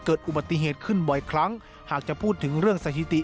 เกิดอุบัติเหตุขึ้นบ่อยครั้งหากจะพูดถึงเรื่องสถิติ